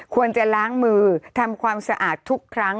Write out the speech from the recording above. ควรจะล้างมือทำความสะอาดทุกครั้ง